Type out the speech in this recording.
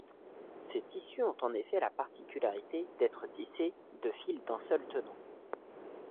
Ces tissus ont en effet la particularité d'être tissés de fils d'un seul tenant.